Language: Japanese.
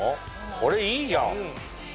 これいいじゃん！